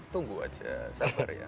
tunggu aja sabar ya